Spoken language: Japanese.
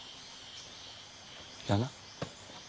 じゃあな。